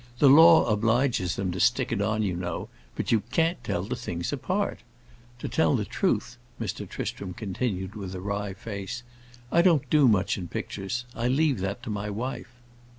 The law obliges them to stick it on, you know; but you can't tell the things apart. To tell the truth," Mr. Tristram continued, with a wry face, "I don't do much in pictures. I leave that to my wife."